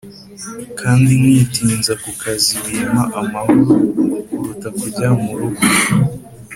kandi nkitinza ku kazi Bimpa amahoro kuruta kujya mu rugo